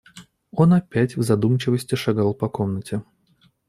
Он опять в задумчивости шагал по комнате.